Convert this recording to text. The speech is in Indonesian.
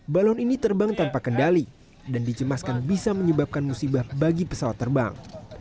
balon ini terbang tanpa kendali dan dicemaskan bisa menyebabkan musibah bagi pesawat terbang